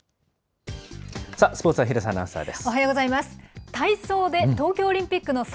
さあ、スポーツは廣瀬アナウンサーです。